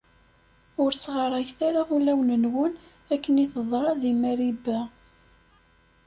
Ur sɣarayet ara ul-nwen akken i teḍra di Mariba.